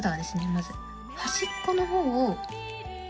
まず端っこの方を。